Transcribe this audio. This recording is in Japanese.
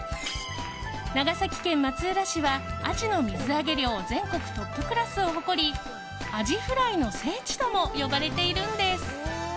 長崎県松浦市はアジの水揚げ量全国トップクラスを誇りアジフライの聖地とも呼ばれているんです。